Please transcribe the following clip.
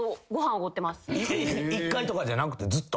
一回とかじゃなくてずっと？